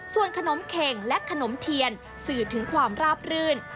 ส่วนขนมเข็งและขนมเทียนสื่อถึงความราบรื่น